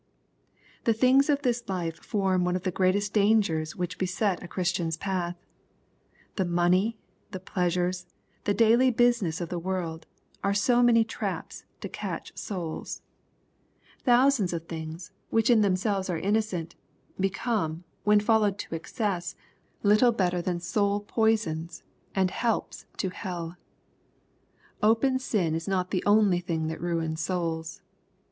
The things of this life form one of the greatest dangers which beset a Christian's path, The money, the pleas ures, the daily business of the world, are so many traps to c»tQb »oii1j3. Thousands of things, which in themselves LUKE, CHAP. VIII. 253 are innocent, became, when followed to excess, little better than soul poisons, and helps to hell. Open sin is not the only thing that ruins souls.